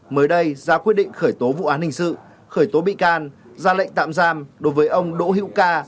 mới đây ra quyết định khởi tố vụ án hình sự khởi tố bị can ra lệnh tạm giam đối với ông đỗ hữu ca